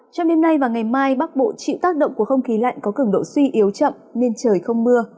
trong đêm nay và ngày mai bắc bộ chịu tác động của không khí lạnh có cứng độ suy yếu chậm nên trời không mưa